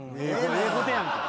ええことやん。